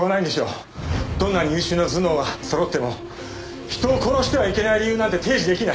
どんなに優秀な頭脳が揃っても人を殺してはいけない理由なんて提示出来ない。